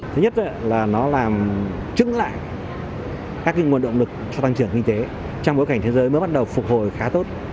thứ nhất là nó làm chứng lại các nguồn động lực cho tăng trưởng kinh tế trong bối cảnh thế giới mới bắt đầu phục hồi khá tốt